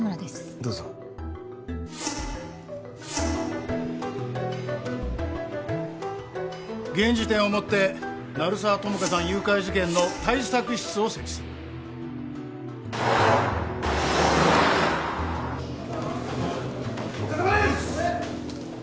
どうぞ現時点をもって鳴沢友果さん誘拐事件の対策室を設置する・お疲れさまです！